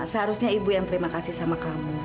seharusnya ibu yang terima kasih sama kamu